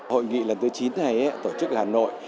hội nghị lần thứ chín này tổ chức hà nội